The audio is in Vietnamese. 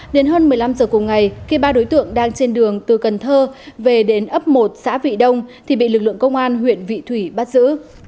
thối tượng đang trên đường từ cần thơ về đến ấp một xã vị đông thì bị lực lượng công an huyện vị thủy bắt giữ